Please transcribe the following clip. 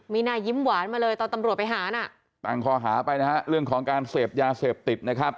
มีหน้ายิ้มหวานมาเลยตอนตำรวจไปหาน่ะตั้งคอหาไปนะฮะเรื่องของการเสพยาเสพติดนะครับ